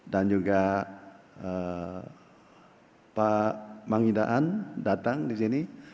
dan juga pak mangindaan datang disini